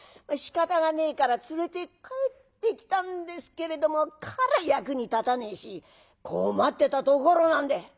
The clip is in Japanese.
しかたがねえから連れて帰ってきたんですけれどもから役に立たねえし困ってたところなんで」。